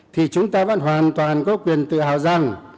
thì chúng ta vẫn hoàn toàn có quyền tự hào rằng